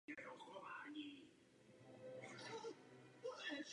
Starokatolická církev v České republice si ho připomíná jako mučedníka.